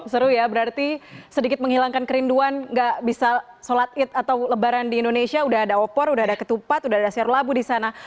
seru ya berarti sedikit menghilangkan kerinduan nggak bisa sholat id atau lebaran di indonesia udah ada opor udah ada ketupat udah ada ser labu di sana